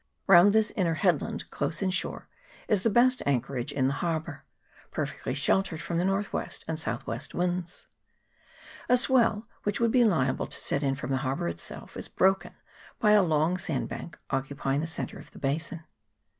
Round this inner headland, close in shore, is the best anchorage in the harbour, perfectly sheltered from the N.W. and S.W. winds A swell, which would be liable to set in from the harbour itself, is broken by a long sandbank occupying the centre of the basin.